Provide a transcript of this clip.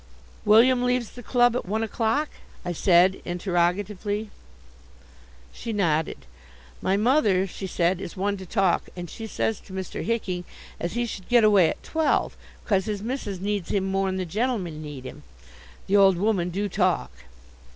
"William leaves the club at one o'clock?" I said, interrogatively. She nodded. "My mother," she said, "is one to talk, and she says to Mr. Hicking as he should get away at twelve, 'cause his missis needs him more'n the gentlemen need him. The old woman do talk."